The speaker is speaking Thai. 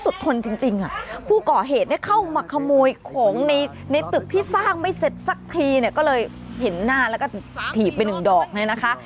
ทนจริงอ่ะผู้ก่อเหตุเนี่ยเข้ามาขโมยของในในตึกที่สร้างไม่เสร็จสักทีเนี่ยก็เลยเห็นหน้าแล้วก็ถีบไปหนึ่งดอกเนี่ยนะคะ